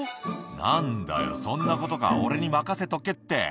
「何だよそんなことか俺に任せとけって」